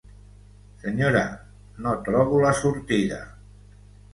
Senyora, no trobo la sortida.